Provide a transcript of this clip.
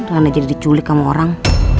karena jadi diculik sama orang